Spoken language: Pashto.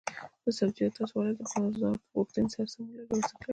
د سبزیجاتو تازه والي د بازار د غوښتنې سره سمون لري او ارزښت لري.